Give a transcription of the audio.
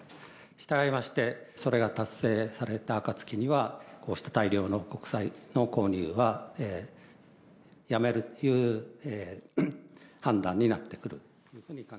したがいまして、それが達成された暁には、こうした大量の国債の購入はやめるという判断になってくる。